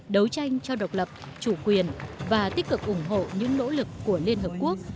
đấu tranh cho độc lập chủ quyền và tích cực ủng hộ những nỗ lực của liên hợp quốc